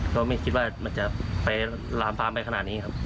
ก็ไม่คิดว่ามันจะไปลามฟามไปขนาดนี้ครับ